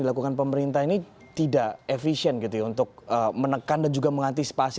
dilakukan pemerintah ini tidak efisien gitu ya untuk menekan dan juga mengantisipasi